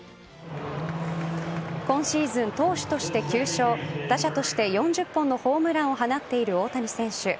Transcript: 今シーズン、投手として９勝打者として４０本のホームランを放っている大谷選手。